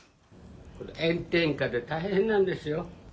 「炎天下で大変なんですよ」